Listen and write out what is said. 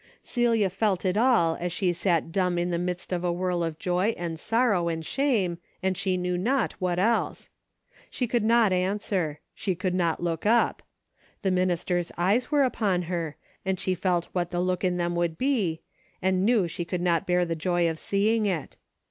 Celia felt it all as she sat dumb in the midst of a whirl of joy and sorrow and shame, and she knew not what else. She could not an swer. She could not look up. The minister's eyes were upon her, and she felt what the look in them would be, and knew she could not bear the joy of seeing it.